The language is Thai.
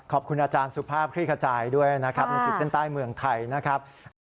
ขอบคุณอาจารย์สุภาพคลี่ขจายด้วยนะครับในขีดเส้นใต้เมืองไทยนะครับ